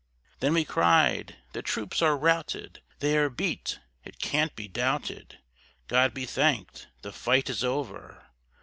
Then we cried, "The troops are routed! they are beat it can't be doubted! God be thanked, the fight is over!"